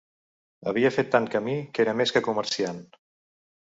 Havia fet tant camí que era més que comerciant